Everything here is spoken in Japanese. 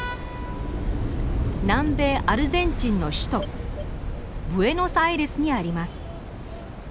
南米アルゼンチンの首都ブエノスアイレスにあります。